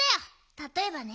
たとえばね。